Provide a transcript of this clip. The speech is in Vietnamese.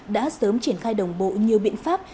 đã sớm triển khai đồng bộ nhiều biện pháp